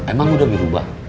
emang udah berubah